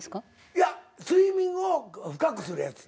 いや睡眠を深くするやつ。